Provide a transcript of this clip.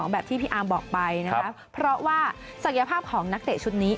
แบบที่พี่อาร์มบอกไปนะครับเพราะว่าศักยภาพของนักเตะชุดนี้